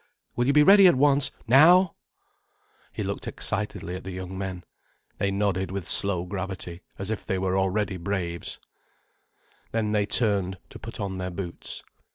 Will you be ready at once, now?" He looked excitedly at the young men. They nodded with slow gravity, as if they were already braves. And they turned to put on their boots.